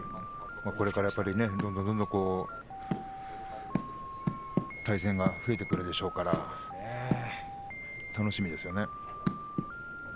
これからどんどん対戦が増えてくるでしょうから楽しみですよね。